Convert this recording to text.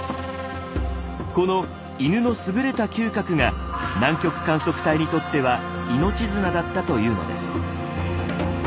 この犬の優れた嗅覚が南極観測隊にとっては命綱だったというのです。